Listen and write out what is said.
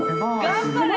頑張れ。